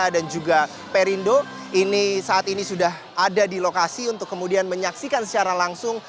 juga perindo ini saat ini sudah ada di lokasi untuk kemudian menyaksikan secara langsung